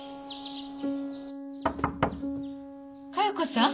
加代子さん。